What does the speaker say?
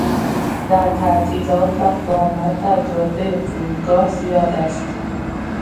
در تعطیلات رفت و آمد در جادهی فرودگاه زیاد است.